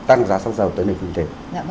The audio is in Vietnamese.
tăng giá xăng dầu tới nền kinh tế